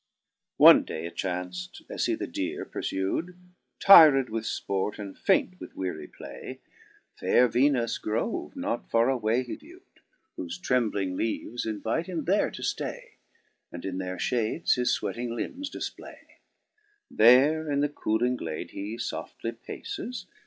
jNE day it chanc*t as hee the deere perfude, Tyred with fport, and faint with weary play, Faire Venus grove not farre away he view'd, Whofe trembling leaves invite him there to ftay. And in their fhades his fweating limbes difplay ; There in the cooling glade he foftly paces.